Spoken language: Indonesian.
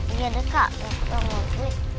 iya deh kak nanti aku mau ikut